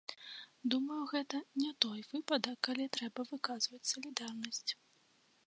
Думаю, гэта не той выпадак, калі трэба выказваць салідарнасць.